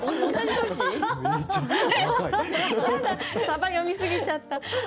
サバ読みすぎちゃった。